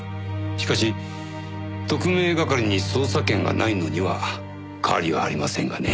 しかし特命係に捜査権がないのには変わりはありませんがね。